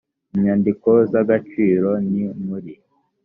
inyandiko z agaciro ni muri